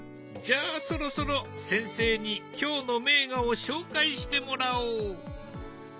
じゃあそろそろ先生に今日の名画を紹介してもらおう。